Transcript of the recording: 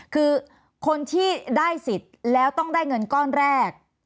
คือคนที่ได้สิทธิ์แล้วต้องได้เงินก้อนแรก